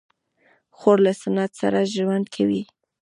خور له سنت سره ژوند کوي.